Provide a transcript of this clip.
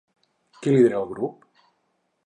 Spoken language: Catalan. Qui lidera el grup?